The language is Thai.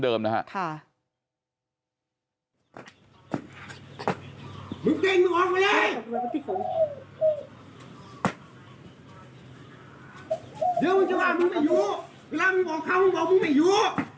เดี๋ยวมันจะมามึงไม่อยู่เวลามึงบอกเข้ามึงบอกมึงไม่อยู่